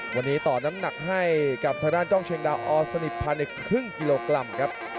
วันนี้ต่อน้ำหนักให้กับทางด้านจ้องเชียงดาวอสนิทภายในครึ่งกิโลกรัมครับ